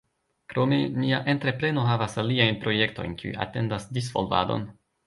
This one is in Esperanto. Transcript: Krome, nia entrepreno havas aliajn projektojn kiuj atendas disvolvadon.